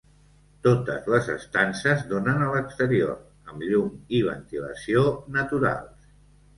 Totes les estances donen a l'exterior, amb llum i ventilació naturals.